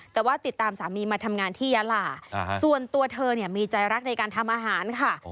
แต่ว่าติดตามสามีมาทำงานที่ยาลาส่วนตัวเธอเนี่ยมีใจรักในการทำอาหารค่ะ